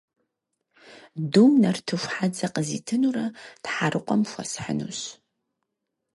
Дум нартыху хьэдзэ къызитынурэ Тхьэрыкъуэм хуэсхьынущ.